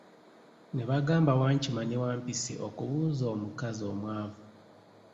Ne bagamba Wankima ne Wampisi okubuuza omukazi omwavu.